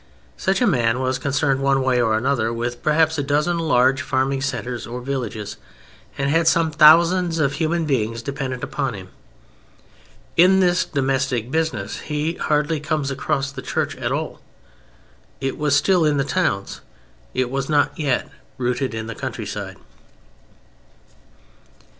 Such a man was concerned one way or another with perhaps a dozen large farming centres or villages, and had some thousands of human beings dependent upon him. In this domestic business he hardly comes across the Church at all. It was still in the towns. It was not yet rooted in the countryside.